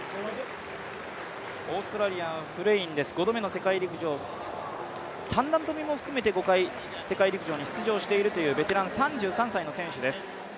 オーストラリアのフレインです、５度目の世界陸上三段跳も含めて、世界陸上に出場しているという、ベテラン３３歳の選手です。